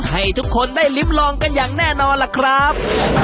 ให้ทุกคนได้ลิ้มลองกันอย่างแน่นอนล่ะครับ